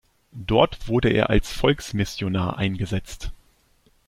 Dort wurde er als Volksmissionar eingesetzt.